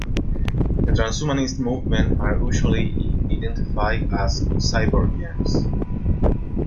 The transhumanist movement are usually identified as Cyborgians.